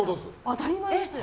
当たり前です。